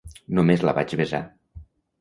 Només la vaig besar.